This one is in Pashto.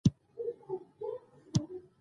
عبارت نحوي جوړښت لري.